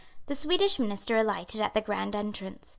The Swedish Minister alighted at the grand entrance.